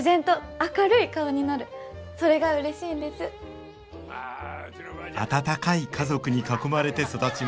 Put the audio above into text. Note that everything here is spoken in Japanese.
温かい家族に囲まれて育ちました